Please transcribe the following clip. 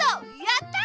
やった！